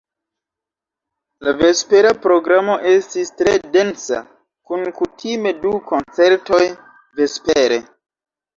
La vespera programo estis tre densa kun kutime du koncertoj vespere.